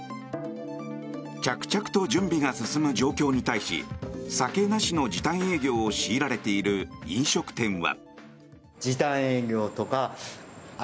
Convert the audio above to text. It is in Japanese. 着々と準備が進む状況に対し酒なしの時短営業を強いられている飲食店は。